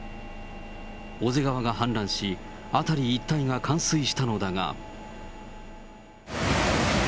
小瀬川が氾濫し、辺り一帯が冠水したのだが。